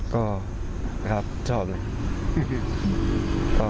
อ๋อครับชอบ